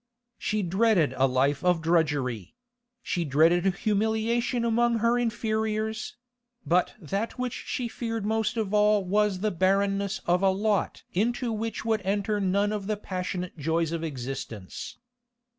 She dreaded a life of drudgery; she dreaded humiliation among her inferiors; but that which she feared most of all was the barrenness of a lot into which would enter none of the passionate joys of existence.